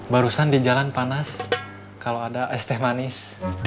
barusan di jalan panas kalau ada es teh manis